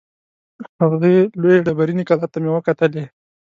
هغې لویې ډبریني کلا ته مې وکتلې.